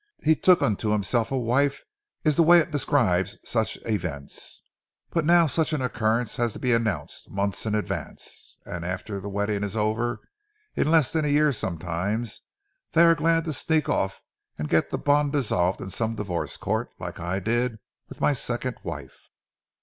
'He took unto himself a wife' is the way it describes such events. But now such an occurrence has to be announced, months in advance. And after the wedding is over, in less than a year sometimes, they are glad to sneak off and get the bond dissolved in some divorce court, like I did with my second wife."